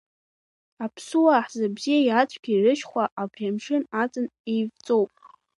Аԥсуаа ҳзы абзиеи ацәгьеи рышьхәа абри амшын аҵан еивҵоуп…